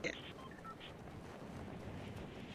当时在英国经营各种另类培训行业。